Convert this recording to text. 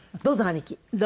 どうぞ。